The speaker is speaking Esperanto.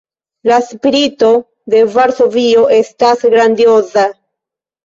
La spirito de Varsovio estas grandioza.